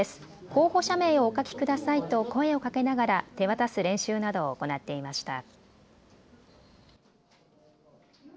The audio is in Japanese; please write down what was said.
候補者名をお書きくださいと声をかけながら手渡す練習などを行っていました。